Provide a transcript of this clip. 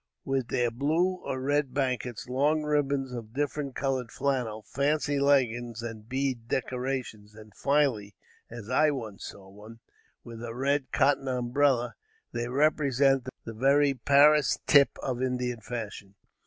With their blue, or red blankets, long ribbons of different colored flannel, fancy leggins and bead decorations, and finally (as I once saw one) with a red cotton umbrella, they represent the very Paris tip of Indian fashion.